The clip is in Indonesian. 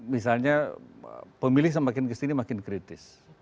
misalnya pemilih semakin kesini makin kritis